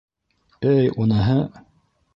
Эй, уныһы!